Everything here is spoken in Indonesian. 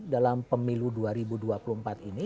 dalam pemilu dua ribu dua puluh empat ini